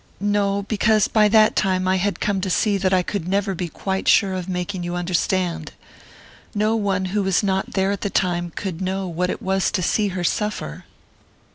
No because by that time I had come to see that I could never be quite sure of making you understand. No one who was not there at the time could know what it was to see her suffer."